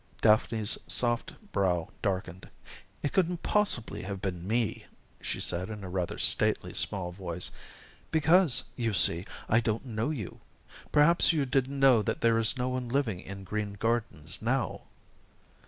Daphne's soft brow darkened. "It couldn't possibly have been me," she said in a rather stately small voice, "because, you see, I don't know you. Perhaps you didn't know that there is no one living in Green Gardens now?"